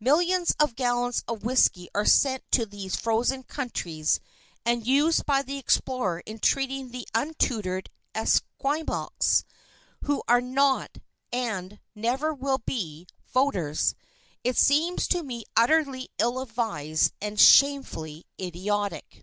Millions of gallons of whiskey are sent to these frozen countries and used by the explorer in treating the untutored Esquimaux, who are not, and never will be, voters. It seems to me utterly ill advised and shamefully idiotic.